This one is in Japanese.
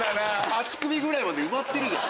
足首ぐらいまで埋まってるじゃん！